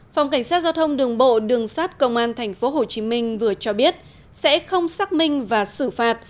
phòng cảnh sát giao thông đường bộ đường sát công an tp hcm vừa cho biết sẽ không xác minh và xử phạt